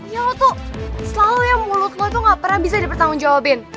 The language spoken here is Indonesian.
ya lu tuh selalu ya mulut lu tuh gak pernah bisa dipertanggung jawabin